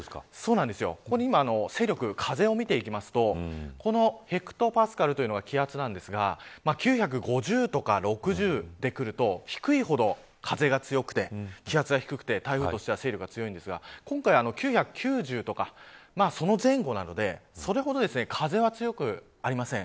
ここに今風を見ていきますとこのヘクトパスカルというのが気圧なんですが９５０とか６０でくると低いほど、風が強くて気圧が低くて台風としては勢力が強いんですが今回は９９０とかその前後なのでそれほど風は強くありません。